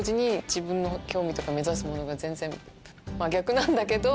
自分の興味とか目指すものが全然真逆なんだけど。